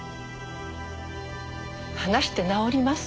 話して治ります？